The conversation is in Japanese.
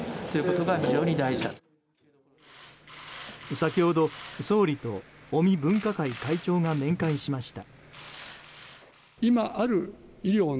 先ほど、総理と尾身分科会会長が面会しました。